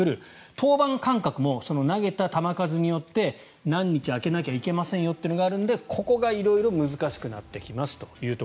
登板間隔も投げた球数によって何日空けないといけませんよというのがあるのでここが色々難しくなってきますと。